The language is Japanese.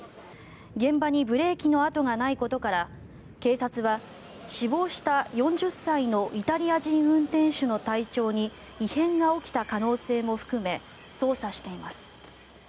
現場にブレーキの跡がないことから警察は死亡した４０歳のイタリア人運転手の体調に異変が起きた可能性も含め捜査しています。